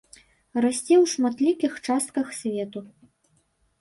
Расце ў шматлікіх частках свету.